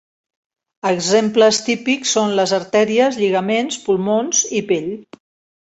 Exemples típics són les artèries, lligaments, pulmons i pell.